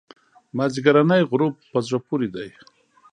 مازیګرنی غروب په زړه پورې دی.